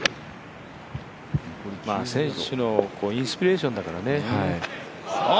選手のインスピレーションだからね。